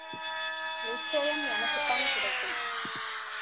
நிச்சயம், எனக்குத்தான் கிடைக்கும்.